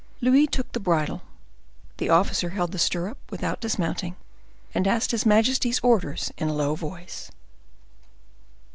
Louis took the bridle: the officer held the stirrup without dismounting, and asked his majesty's orders in a low voice.